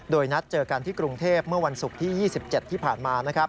โดยนัดเจอกันที่กรุงเทพเมื่อวันศุกร์ที่๒๗ที่ผ่านมา